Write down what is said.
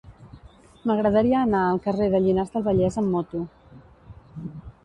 M'agradaria anar al carrer de Llinars del Vallès amb moto.